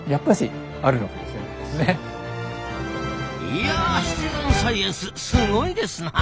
いやシチズンサイエンスすごいですなあ。